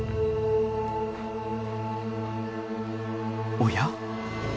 おや？